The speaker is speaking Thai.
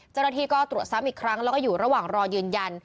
เจ้าหน้าที่ก็ตรวจซ้ำอีกครั้งแล้วก็อยู่ระหว่างรอยืนยัน